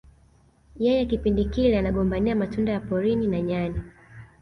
Yeye kipindi kile anagombania matunda ya porini na nyani